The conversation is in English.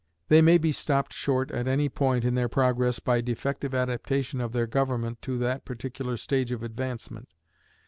They may be stopped short at any point in their progress by defective adaptation of their government to that particular stage of advancement.